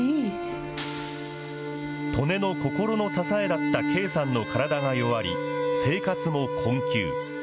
利根の心の支えだったけいさんの体が弱り、生活も困窮。